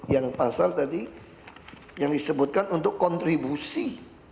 yang pasal tadi yang disebutkan untuk kontribusi